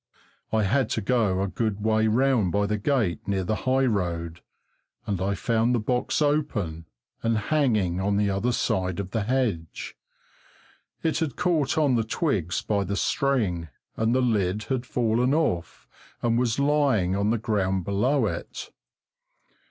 I had to go a good way round, by the gate near the highroad, and I found the box open and hanging on the other side of the hedge. It had caught on the twigs by the string, and the lid had fallen off and was lying on the ground below it.